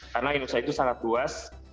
karena indonesia itu sangat luas